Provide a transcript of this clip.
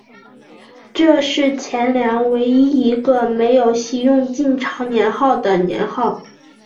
这是前凉唯一一个没有袭用晋朝年号的年号。